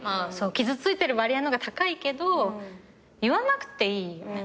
傷ついてる割合の方が高いけど言わなくていいよね。